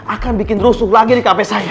akan bikin rusuh lagi di kp saya